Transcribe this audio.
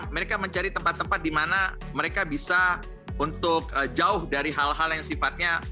mereka mencari tempat tempat di mana mereka bisa untuk jauh dari hal hal yang sifatnya